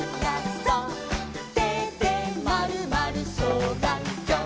「てでまるまるそうがんきょう」